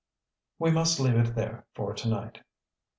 "We must leave it there for to night."